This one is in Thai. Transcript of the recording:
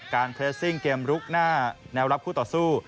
เพลสซิ่งเกมลุกหน้าแนวรับคู่ต่อสู้